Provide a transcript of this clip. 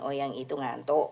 oh yang itu ngantuk